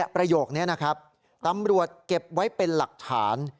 ประโยคนี้นะครับตำรวจเก็บไว้เป็นหลักฐาน